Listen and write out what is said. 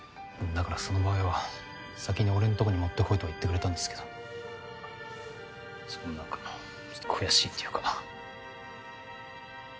だからその場合は先に俺んとこに持ってこいとは言ってくれたんですけどその何かちょっと悔しいっていうか。